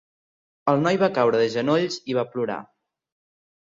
El noi va caure de genolls i va plorar.